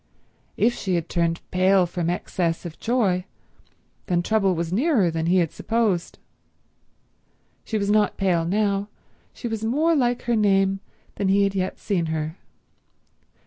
If she had turned pale from excess of joy, then trouble was nearer than he had supposed. She was not pale now; she was more like her name than he had yet seen her.